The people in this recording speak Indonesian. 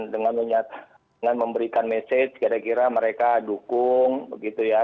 dengan memberikan message kira kira mereka dukung begitu ya